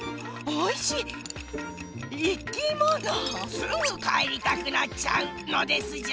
すぐかえりたくなっちゃうのですじゃ。